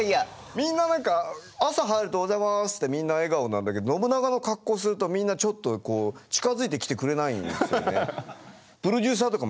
みんな何か朝入るとおはようございますってみんな笑顔なんだけど信長の格好するとみんなちょっと近づいてきてくれないんですよね。